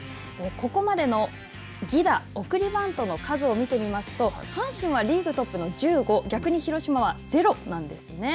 ここまでの犠打、送りバントの数を見てみますと、阪神はリーグトップの１５、逆に広島は０なんですね。